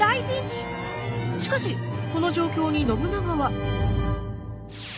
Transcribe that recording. しかしこの状況に信長は。